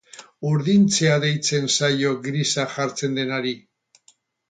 Urdintzea deitzen zaio grisa jartzen denari.